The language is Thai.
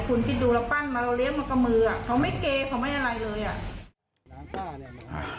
คุณคิดดูเราปั้นมาเราเลี้ยงมากับมืออ่ะเขาไม่เกเขาไม่อะไรเลยอ่ะ